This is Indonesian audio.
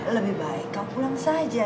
lebih baik kau pulang saja